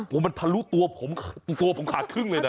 มันทะลุตัวผมตัวผมขาดครึ่งเลยนะ